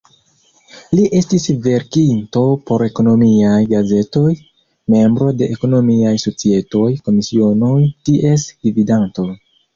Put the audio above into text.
Li estis verkinto por ekonomiaj gazetoj, membro de ekonomiaj societoj, komisionoj, ties gvidanto.